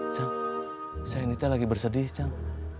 icang saya ini lagi bersedih icang